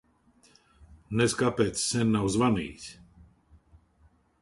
Nez kāpēc sen nav zvanījis.